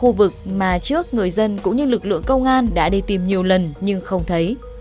khu vực mà trước người dân cũng như lực lượng công an đã đi tìm nhiều lần nhưng không thấy